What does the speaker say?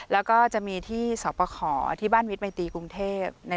แล้วก็จะมีที่สปขอที่บ้านวิทย์มัยตีกรุงเทพ